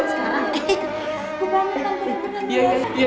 gue bantu kantor yang bener dulu ya